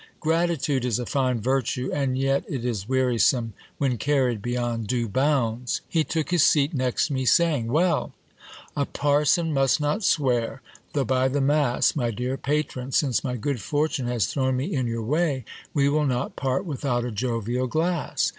Gratitude is a fine virtue ; and yet it is wearisome when carried beyond due bounds ! He took his seat next me, saying : Well ! a par son must not swear ; though by the mass, my dear patron, since my good fortune has thrown me in your way, we will not part without a jovial glass.